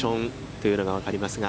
というのが分かりますが。